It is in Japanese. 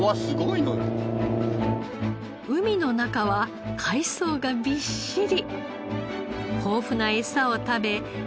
海の中は海藻がびっしり。